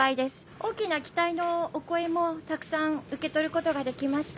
大きな期待のお声もたくさん受け取ることができました。